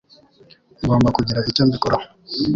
Ngomba kugira icyo mbikoraho